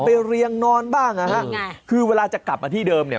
เรียงนอนบ้างนะฮะยังไงคือเวลาจะกลับมาที่เดิมเนี่ย